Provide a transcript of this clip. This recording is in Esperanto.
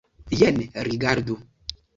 Jen, rigardu!